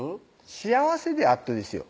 幸せであっとですよ